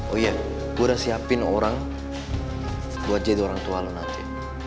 oh iya gue udah siapin orang buat jadi orang tua lo nanti